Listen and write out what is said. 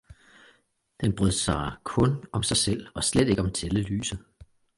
den brød sig kun om sig selv og slet ikke om Tællelyset.